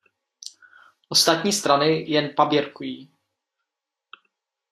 Ostatní strany jen paběrkují.